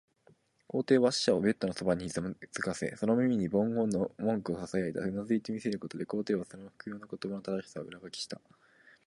皇帝は使者をベッドのそばにひざまずかせ、その耳にその伝言の文句をささやいた。うなずいて見せることで、皇帝はその復誦の言葉の正しさを裏書きした。